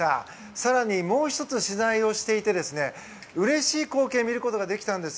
更に、もう１つ取材をしていてうれしい光景を見ることができたんです。